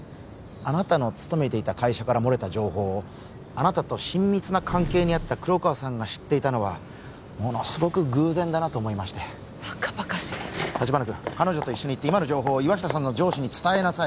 あなたの勤めていた会社から漏れた情報をあなたと親密な関係にあった黒川さんが知っていたのはものすごく偶然だなと思いましてバカバカしい立花君彼女と一緒に今の情報を岩下さんの上司に伝えなさい